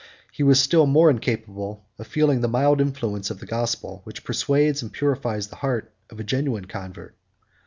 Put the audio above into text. He was still more incapable of feeling the mild influence of the gospel, which persuades and purifies the heart of a genuine convert.